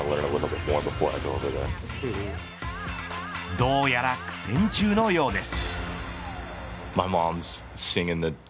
どうやら、苦戦中のようです。